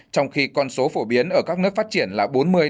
trong khi con số phổ biến ở các nước phát triển là bốn mươi năm mươi